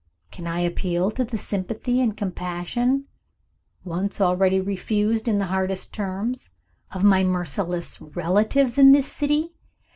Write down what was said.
Can I appeal to the sympathy and compassion (once already refused in the hardest terms) of my merciless relatives in this city?